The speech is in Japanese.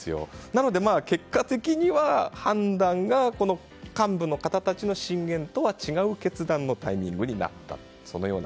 なので、結果的には判断が幹部の方たちの進言とは違う決断のタイミングになったと。